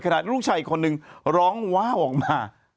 ลูกชายอีกคนนึงร้องว้าวออกมา